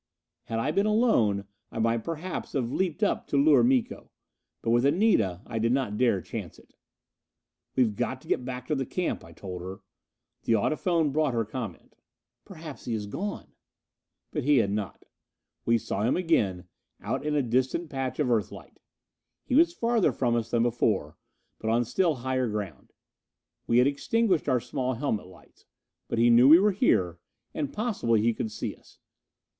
Had I been alone, I might perhaps have leaped up to lure Miko. But with Anita I did not dare chance it. "We've got to get back to the camp," I told her. The audiphone brought her comment: "Perhaps he has gone." But he had not. We saw him again, out in a distant patch of Earthlight. He was further from us than before, but on still higher ground. We had extinguished our small helmet lights. But he knew we were here, and possibly he could see us.